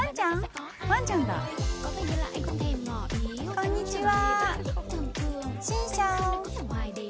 こんにちは！